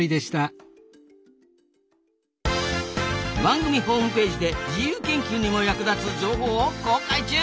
番組ホームページで自由研究にも役立つ情報を公開中！